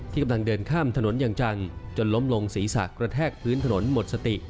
กำลังเดินข้ามถนนอย่างจังจนล้มลงศีรษะกระแทกพื้นถนนหมดสติ